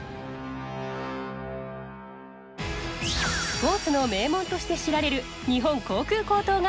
スポーツの名門として知られる日本航空高等学校。